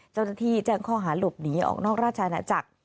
เจ้าหน้าที่แจ้งข้อหาหลบหนีออกนอกราชอาณาจักร